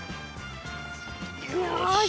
よし。